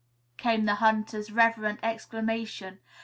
came the hunter's reverent exclamation.